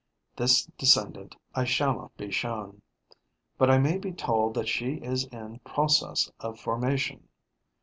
This descendant I shall not be shown; but I may be told that she is in process of formation.